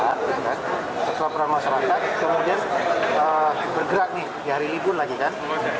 kesempatan masyarakat kemudian bergerak nih ya hari ibu lagi kan